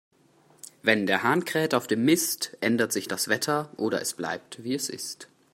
Wenn der Hahn kräht auf dem Mist, ändert sich das Wetter, oder es bleibt, wie es ist.